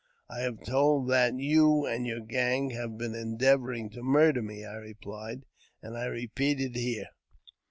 " I have told that you and your gang have been endeavouring to murder me," I replied, '' and I repeat it here."